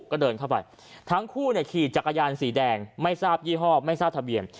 ก็เดินเข้าไปทั้งคู่ขี่จักรยานสีแดงไม่ทราบยี่ห้อไม่ทราบทะเบียน